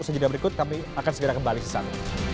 sejujurnya berikut kami akan segera kembali sesat